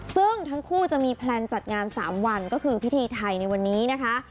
ซึ่งทั้งคู่จะมีแพลนจัดงาน๓วันก็คือพิธีไทยในวันนี้นะคะ